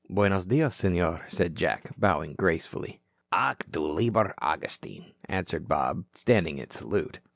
"Buenos dios, Senor," said Jack, bowing gracefully. "Ach du lieber Augustine," answered Bob, standing at salute.